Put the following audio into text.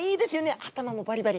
頭もバリバリ。